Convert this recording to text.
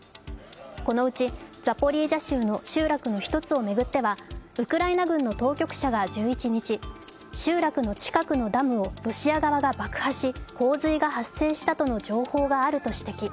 このうちザポリージャ州の集落の１つを巡ってはウクライナ軍の当局者が１１日、集落の近くのダムをロシア側が爆破し洪水が発生したとの情報があると指摘。